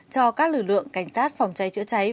cho các lực lượng cảnh sát phòng cháy chữa cháy